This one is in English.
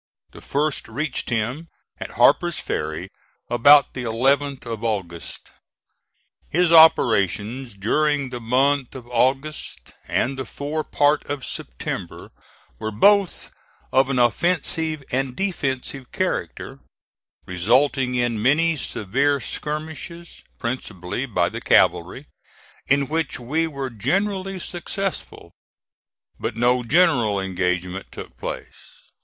The first reached him at Harper's Ferry about the 11th of August. His operations during the month of August and the fore part of September were both of an offensive and defensive character, resulting in many severe skirmishes, principally by the cavalry, in which we were generally successful, but no general engagement took place.